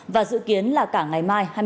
và dự kiến là cả ngày mai